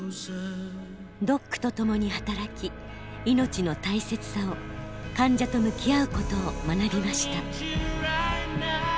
ドックと共に働き命の大切さを患者と向き合うことを学びました。